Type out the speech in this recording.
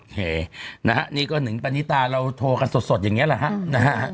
โอเคนี่ก็หนึ่งตอนนี้ตาเราโทรกันสดอย่างนี้แหละนะฮะ